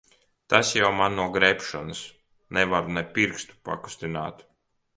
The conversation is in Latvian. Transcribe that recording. Tas jau man no grebšanas. Nevaru ne pirkstu kustināt.